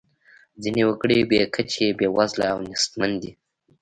ځینې وګړي بې کچې بیوزله او نیستمن دي.